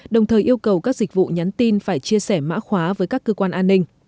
đồng thời yêu cầu các dịch vụ nhắn tin phải chia sẻ mã khóa với các cơ quan an ninh